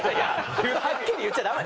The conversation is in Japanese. はっきり言っちゃダメ。